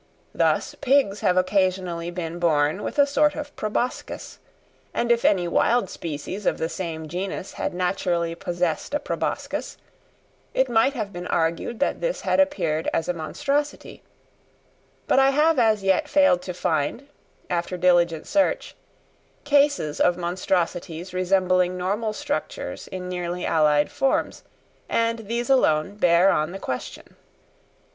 Thus pigs have occasionally been born with a sort of proboscis, and if any wild species of the same genus had naturally possessed a proboscis, it might have been argued that this had appeared as a monstrosity; but I have as yet failed to find, after diligent search, cases of monstrosities resembling normal structures in nearly allied forms, and these alone bear on the question.